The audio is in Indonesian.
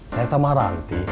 saya sama ranti